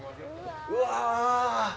うわ！